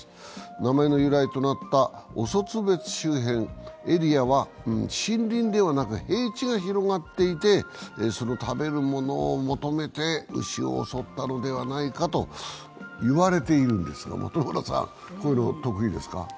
名前の由来となったオソツベツ周辺のエリアは森林ではなく平地が広がっていて、食べるものを求めて牛を襲ったのではないかと言われているんですが、こういうの得意ですか？